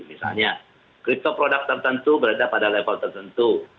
misalnya crypto produk tertentu berada pada level tertentu